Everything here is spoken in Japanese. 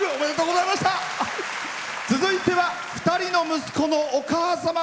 続いては２人の息子のお母様。